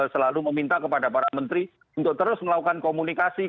selalu meminta kepada para menteri untuk terus melakukan komunikasi